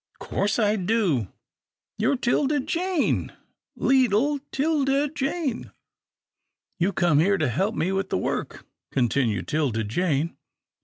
" Course I do — you're 'Tilda Jane, leetle 'Tilda Jane." " You have come here to help me do the work," continued 'Tilda Jane.